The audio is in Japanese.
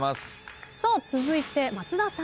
続いて松田さん。